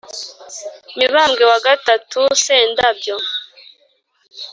mibambwe wa gatatu sentabyo